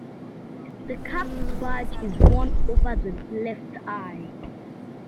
The cap badge is worn over the left eye.